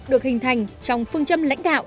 được hình thành trong phương châm lãnh đạo